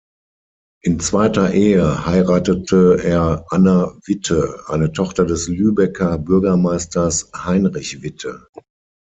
In zweiter Ehe heiratete er Anna Witte, eine Tochter des Lübecker Bürgermeisters Heinrich Witte.